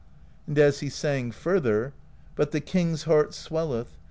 And as he sang further: But the King's heart swelleth.